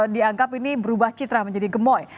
dianggap ini berubah citra menjadi gemoy